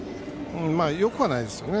まあ、よくはないですよね。